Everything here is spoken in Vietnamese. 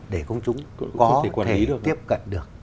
để công chúng có thể tiếp cận được